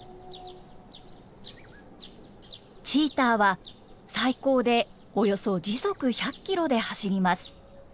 チーターは最高でおよそ時速１００キロで走ります。